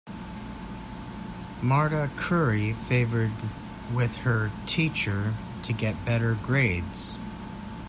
Marta curry favored with her teacher to get better grades.